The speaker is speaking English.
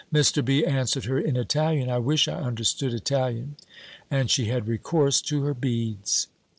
Mr. B. answered her in Italian (I wish I understood Italian!) and she had recourse to her beads.